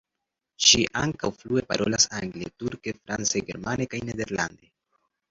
Ŝi ankaŭ flue parolas angle, turke, france, germane kaj nederlande.